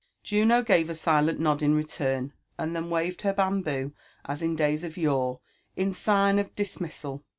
Juno gave a silent nod in return, and then waved her bamboo, m in days of yore, in sign of dismissal.